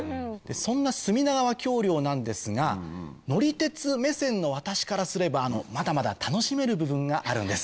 そんな隅田川橋梁なんですが乗り鉄目線の私からすればまだまだ楽しめる部分があるんです。